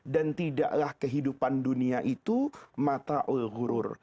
dan tidaklah kehidupan dunia itu mata'ul gurur